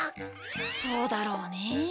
そうだろうね。